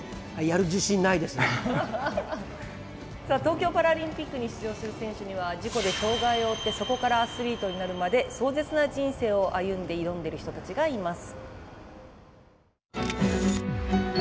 東京パラリンピックに出場する選手には事故で障がいを負ってそこからアスリートになるまで壮絶な人生を歩んで挑んでる人たちがいます。